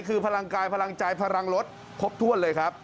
คือพลังกายพลังใจพลังรถครบถ้วนเลยครับ